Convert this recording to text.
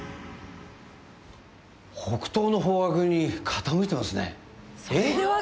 北東の方角に傾いてますねえっ！？